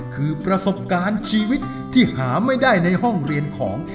คือประสบการณ์ชีวิตที่หาไม่ได้ในห้องเรียนของ